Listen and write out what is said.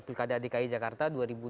pilkada dki jakarta dua ribu dua puluh